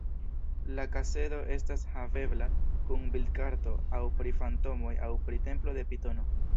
La kasedo estas havebla kun bildkarto aŭ pri fantomoj aŭ pri templo de pitono.